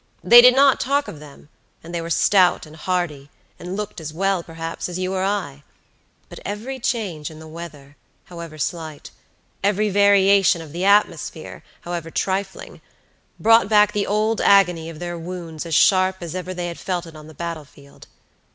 They did not talk of them, and they were stout and hearty, and looked as well, perhaps, as you or I; but every change in the weather, however slight, every variation of the atmosphere, however trifling, brought back the old agony of their wounds as sharp as ever they had felt it on the battle field.